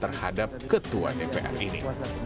terhadap ketua dpr ini